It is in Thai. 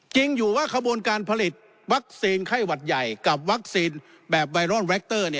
จริงอยู่ว่าขบวนการผลิตวัคซีนไข้หวัดใหญ่กับวัคซีนแบบไวรอนแรคเตอร์